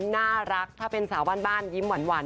น่ารักถ้าเป็นสาวบ้านยิ้มหวาน